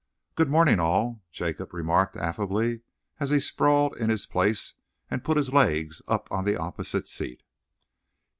"Good morning, all," Jacob remarked affably, as he sprawled in his place and put his legs up on the opposite seat.